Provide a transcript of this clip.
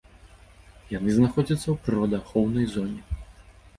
Яны знаходзяцца ў прыродаахоўнай зоне.